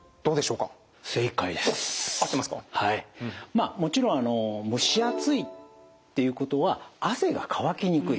まあもちろん蒸し暑いっていうことは汗が乾きにくい。